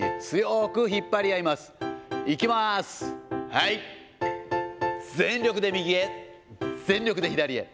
はい、全力で右へ、全力で左へ。